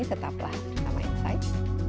tetaplah bersama insight